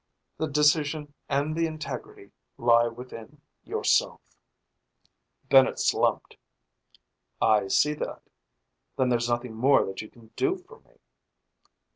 The decision and the integrity lie within yourself." Bennett slumped. "I see that. Then there's nothing more that you can do for me?"